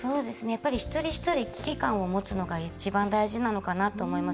一人一人危機感を持つのが一番大事なのかなと思います。